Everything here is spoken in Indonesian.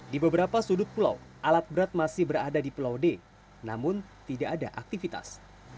di beberapa sudut pulau alat berat masih berada di pulau d namun tidak ada aktivitas